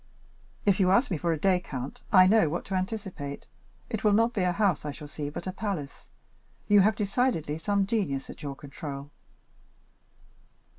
"If you ask me for a day, count, I know what to anticipate; it will not be a house I shall see, but a palace. You have decidedly some genius at your control."